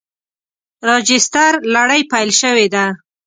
راجستر لړۍ پیل شوې ده.